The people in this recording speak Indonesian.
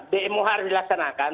dmo harus dilaksanakan